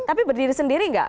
tapi berdiri sendiri enggak